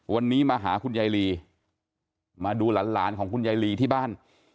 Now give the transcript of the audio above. วันนี้มาหาคุณยายลีมาดูหลานของคุณยายลีที่บ้าน